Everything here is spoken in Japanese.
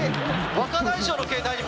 若大将の携帯でも？